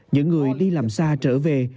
những người đi làm xa trở về